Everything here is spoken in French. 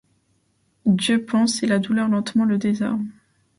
Dieu pense, et la douleur lentement le désarme.